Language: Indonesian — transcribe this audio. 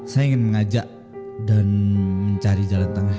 saya ingin mengajak dan mencari jalan tengah